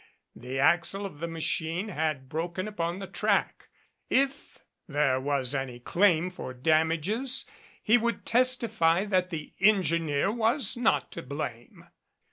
The axle of the machine had broken upon the track. If there was any claim for dam ages he would testify that the engineer was not to blame.